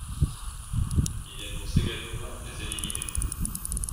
Il y annonce également les éliminés.